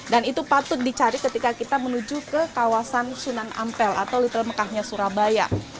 itu patut dicari ketika kita menuju ke kawasan sunan ampel atau little mekahnya surabaya